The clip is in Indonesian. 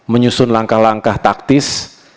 menyusun langkah langkah taktis